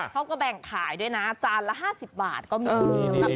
เขาก็แบ่งขายด้วยนะจานละ๕๐บาทก็มี